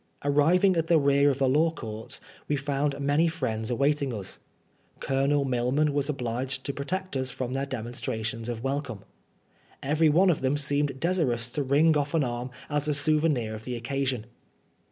Arriving at the rear of the Law Courts, we found many friends awaiting us. Colonel Milman was obliged to protect us from their demonstrations of welcome. Everyone of them seemed desirous to wring off an arm as a souvenir of the occasion.